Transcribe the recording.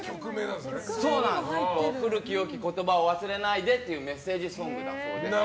古き良き言葉を忘れないでというメッセージソングだそうです。